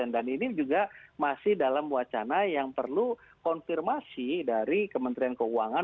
dan ini juga masih dalam wacana yang perlu konfirmasi dari kementerian keuangan